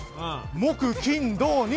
木、金、土、日。